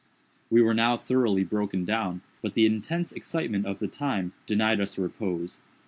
We were now thoroughly broken down; but the intense excitement of the time denied us repose.